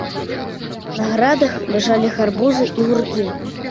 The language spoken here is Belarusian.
На градах ляжалі гарбузы і гуркі.